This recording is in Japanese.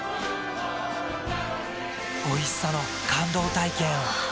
おいしさの感動体験を。